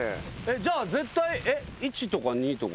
じゃあ絶対１とか２とか。